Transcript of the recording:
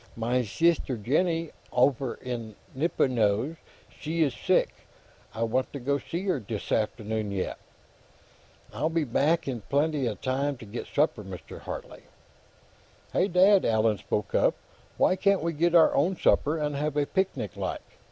"Mein sister, Jennie, offer in Nippenose, she iss sick; I vant to go see her, dis afternoon, yet. I'll be back in blenty time to get supper, Mr. Hartley." "Hey, Dad!" Allan spoke up. "Why can't we get our own supper, and have a picnic, like?